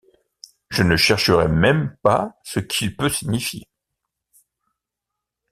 Je ne chercherai même pas ce qu’il peut signifier.